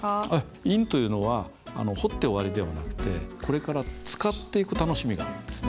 印というのは彫って終わりではなくてこれから使っていく楽しみがあるんですね。